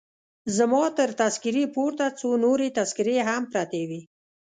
زما تر تذکیرې پورته څو نورې تذکیرې هم پرتې وې.